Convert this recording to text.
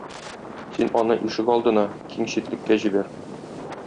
Син аны ишек алдына, киң читлеккә җибәр.